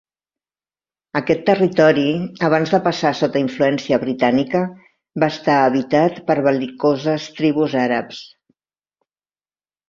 Aquest territori abans de passar sota influència britànica, va estar habitat per bel·licoses tribus àrabs.